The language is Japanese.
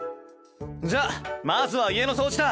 じゃあまずは家の掃除だ。